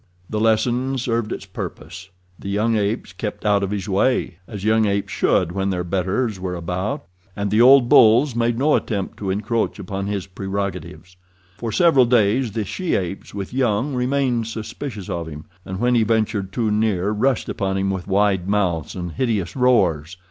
The lesson served its purpose—the young apes kept out of his way, as young apes should when their betters were about, and the old bulls made no attempt to encroach upon his prerogatives. For several days the she apes with young remained suspicious of him, and when he ventured too near rushed upon him with wide mouths and hideous roars.